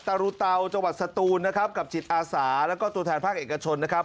รุเตาจังหวัดสตูนนะครับกับจิตอาสาแล้วก็ตัวแทนภาคเอกชนนะครับ